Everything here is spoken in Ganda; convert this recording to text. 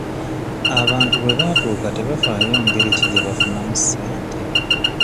Abantu we baatuuka tebafaayo ngeri ki gye bafunamu ssente.